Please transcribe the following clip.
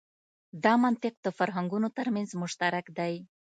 دا منطق د فرهنګونو تر منځ مشترک دی.